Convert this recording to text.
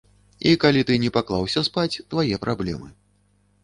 І калі ты не паклаўся спаць, твае праблемы.